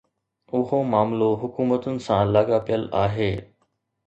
اهو معاملو حڪومتن سان لاڳاپيل آهي.